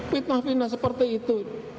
fitnah fitnah seperti itu